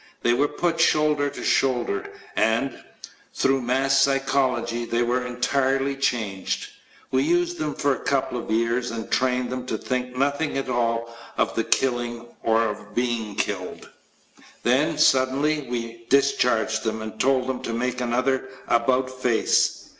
They were put shoulder to shoulder and, through mass psychology, they were entirely changed. We used them for a couple of years and trained them to think nothing at all of killing or of being killed. Then, suddenly, we discharged them and told them to make another "about face"